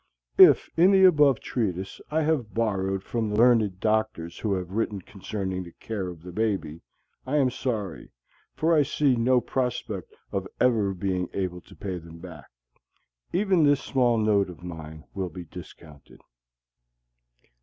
If in the above treatise I have borrowed from the learned doctors who have written concerning the Care of the Baby, I am sorry; for I see no prospect of ever being able to pay them back. Even this small note of mine will be discounted.